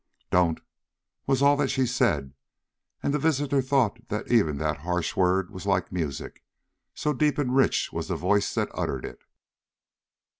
"Don't!" was all that she said, and the visitor thought that even that harsh word was like music, so deep and rich was the voice that uttered it.